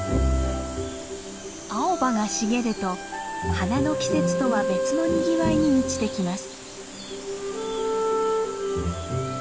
青葉が茂ると花の季節とは別のにぎわいに満ちてきます。